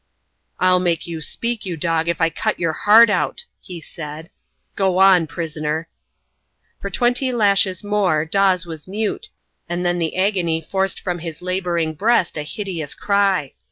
"I'll make you speak, you dog, if I cut your heart out!" he cried. "Go on, prisoner." For twenty lashes more Dawes was mute, and then the agony forced from his labouring breast a hideous cry.